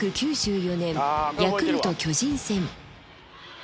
１９９４年、ヤクルト・巨人戦。